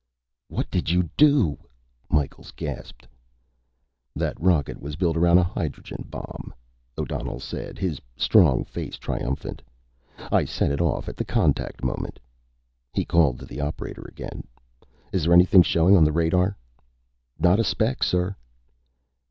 "What did you do?" Micheals gasped. "That rocket was built around a hydrogen bomb," O'Donnell said, his strong face triumphant. "I set it off at the contact moment." He called to the operator again. "Is there anything showing on the radar?" "Not a speck, sir."